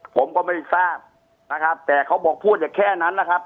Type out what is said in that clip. ผมก็ไม่ทราบนะครับแต่เขาบอกพูดอย่างแค่นั้นนะครับ